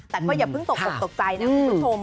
แต่ก็อย่าเพิ่งตกออกตกใจนะคุณผู้ชม